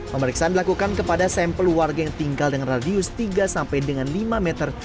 pemeriksaan dilakukan kepada sampel warga yang tinggal dengan radius tiga sampai dengan lima meter